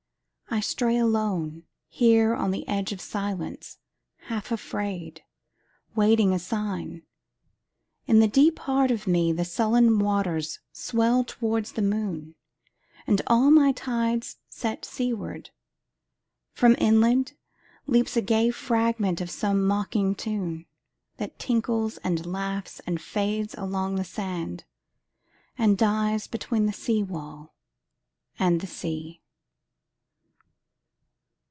I stray aloneHere on the edge of silence, half afraid, Waiting a sign. In the deep heart of meThe sullen waters swell towards the moon, And all my tides set seaward. From inlandLeaps a gay fragment of some mocking tune, That tinkles and laughs and fades along the sand, And dies between the seawall and the sea.